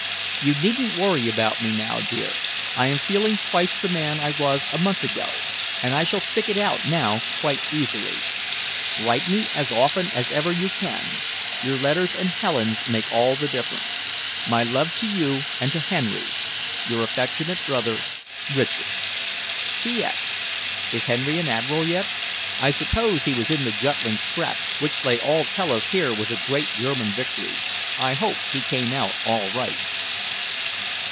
You needn't worry about me now, dear. I am feeling twice the man I was a month ago, and I shall stick it out now quite easily. Write me as often as ever you can. Your letters and Helen's make all the difference. My love to you and to Henry. Your affectionate brother, RICHARD. P.S. Is Henry an Admiral yet? I suppose he was in the Jutland scrap, which they all tell us here was a great German victory. I hope he came out all right.